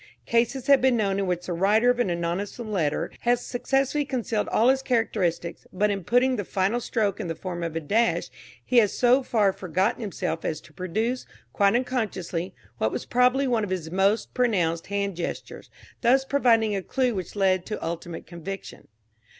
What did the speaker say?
Cases have been known in which the writer of an anonymous letter has successfully concealed all his characteristics, but in putting the final stroke in the form of a dash he has so far forgotten himself as to produce, quite unconsciously, what was probably one of his most pronounced hand gestures, thus providing a clue which led to ultimate conviction.